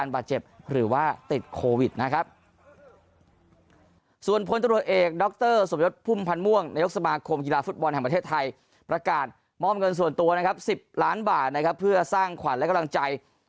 เป็นส่วนตัวนะครับสิบล้านบาทนะครับเพื่อสร้างขวัญและกำลังใจ